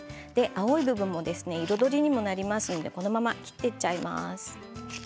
青い部分も彩りにもなりますのでこのまま切っていってしまいます。